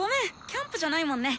キャンプじゃないもんね。